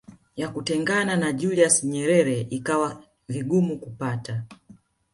ya kutengana na Julius Nyerere ikawa vigumu kupata